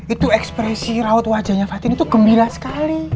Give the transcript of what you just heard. itu ekspresi raut wajahnya fatin itu gembira sekali